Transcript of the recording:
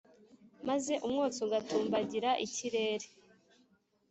maze umwotsi ugatumbagira ikirere.